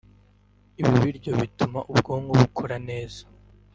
Ibi biryo ngo bituma ubwonko bukora neza